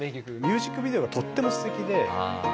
ミュージックビデオがとっても素敵で。